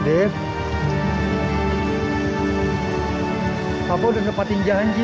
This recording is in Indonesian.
bapak udah gak mau ketemu papa lagi